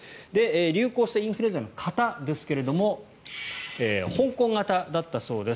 流行したインフルエンザの型ですが香港型だったそうです。